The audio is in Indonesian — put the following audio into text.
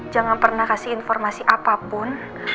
jangan pernah kasih informasi apapun